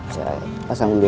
saya pasang dulu ya